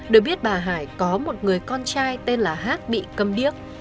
được biết bà hải có một người con trai tên là hác bị câm điếc